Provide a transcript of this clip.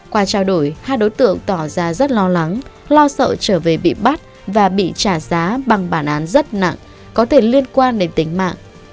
qua trao đổi hai đối tượng tỏ ra rất lo lắng lo sợ trở về bị bắt và bị trả giá bằng bản án rất nặng có thể liên quan đến tính mạng